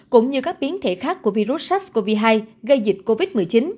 cũng như các biến thể khác của virus sars cov hai gây dịch covid một mươi chín